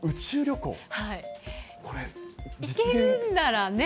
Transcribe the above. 行けるんならね。